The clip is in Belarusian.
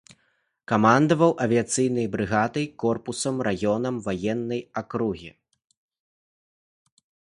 Камандаваў авіяцыйнымі брыгадай, корпусам, раёнам ваеннай акругі.